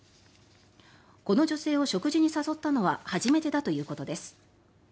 この女性を食事に誘ったのは初めてだということです。